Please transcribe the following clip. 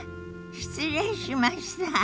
失礼しました。